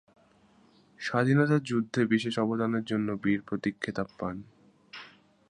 স্বাধীনতা যুদ্ধে বিশেষ অবদানের জন্য বীর প্রতীক খেতাব পান।